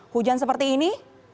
hujan seperti ini